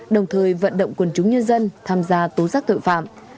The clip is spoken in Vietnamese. đồng thời vận động quần chúng nhân dân tham gia tố giác tội phạm